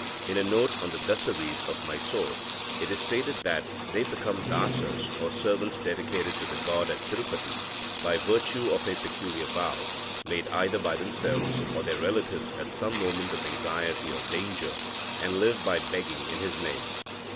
In a note on the Dasaris of Mysore, it is stated that "they become Dasas or servants dedicated to the god at Tirupati by virtue of a peculiar vow, made either by themselves or their relatives at some moment of anxiety or danger, and live by begging in his name.